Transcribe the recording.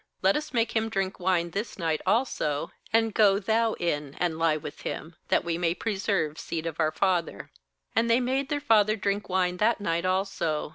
Let us make him drink wine this night also; and go thou in, and lie with him, that we may preserve seed of our father/ 35And they made their father drink wine that night also.